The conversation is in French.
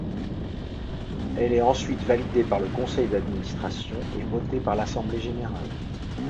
Elle est ensuite validée par le Conseil d’administration et votée par l’Assemblée générale.